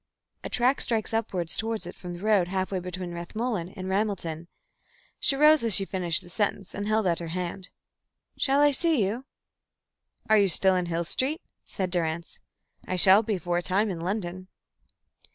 A track strikes up towards it from the road halfway between Rathmullen and Ramelton." She rose as she finished the sentence and held out her hand. "Shall I see you?" "You are still in Hill Street?" said Durrance. "I shall be for a time in London."